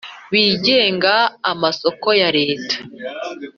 Bigenga amasoko ya leta